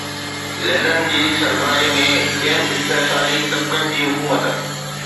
Lenin جي سربراهي ۾ ٻين استحصالي طبقن جي حڪومت